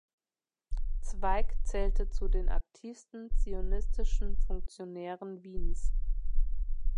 Zweig zählte zu den aktivsten zionistischen Funktionären Wiens.